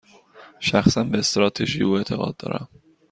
شخصا، به استراتژی او اعتقاد دارم.